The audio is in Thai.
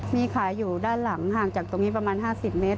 มีขายอยู่ด้านหลังห่างจากตรงนี้ประมาณ๕๐เมตร